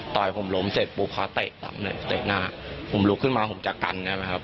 ผมล้มเสร็จปุ๊บเขาเตะซ้ำเลยเตะหน้าผมลุกขึ้นมาผมจะกันเนี่ยนะครับ